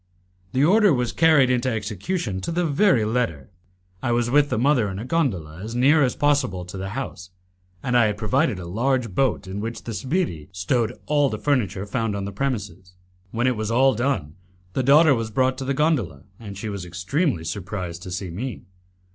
The order was carried into execution to the very letter. I was with the mother in a gondola as near as possible to the house, and I had provided a large boat in which the sbirri stowed all the furniture found on the premises. When it was all done, the daughter was brought to the gondola, and she was extremely surprised to see me.